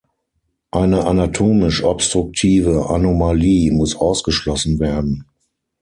Eine anatomisch, obstruktive Anomalie muss ausgeschlossen werden.